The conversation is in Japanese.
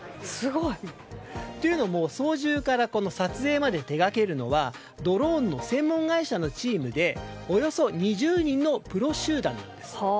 というのも操縦から撮影まで手がけているのはドローンの専門会社のチームでおよそ２０人のプロ集団なんです。